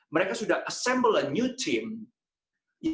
mereka sudah menggabungkan tim baru